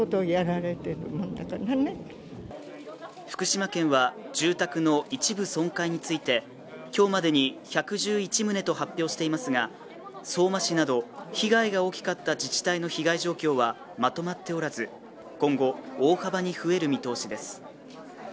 福島県は住宅の一部損壊について今日までに１１１棟と発表していますが相馬市など被害が大きかった自治体の被害状況はまとまっておらず今後、大幅に増える見通しです。